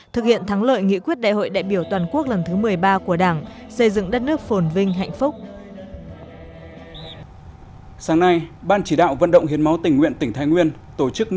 thực hiện thắng lợi nghị quyết đại hội đại biểu toàn quốc lần thứ một mươi ba của đảng xây dựng đất nước phồn vinh hạnh phúc